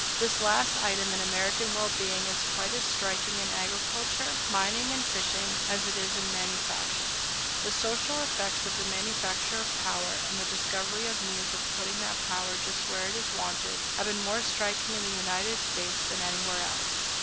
This last item in American well being is quite as striking in agriculture, mining, and fishing, as it is in manufactures. The social effects of the manufacture of power, and of the discovery of means of putting that power just where it is wanted, have been more striking in the United States than anywhere else.